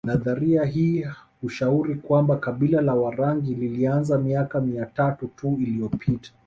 Nadharia hii hushauri kwamba kabila la Warangi lilianza miaka mia tatu tu iliyopita